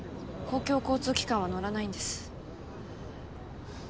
公共交通機関は乗らないんです。